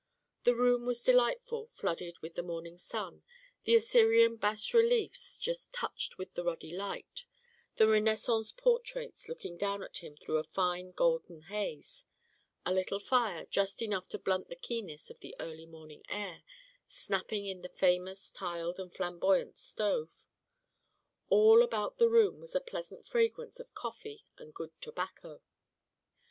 The room was delightful, flooded with the morning sun, the Assyrian bas reliefs just touched with a ruddy light, the Renaissance portraits looking down at him through a fine golden haze; a little fire, just enough to blunt the keenness of the early morning air, snapping in the famous tiled and flamboyant stove. All about the room was a pleasant fragrance of coffee and good tobacco.